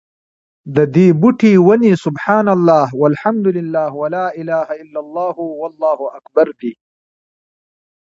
ددي بوټي، وني: سُبْحَانَ اللهِ وَالْحَمْدُ للهِ وَلَا إِلَهَ إلَّا اللهُ وَاللهُ أكْبَرُ دي